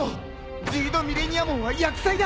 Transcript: ズィードミレニアモンは厄災だ！